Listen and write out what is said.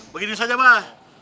begini saja pak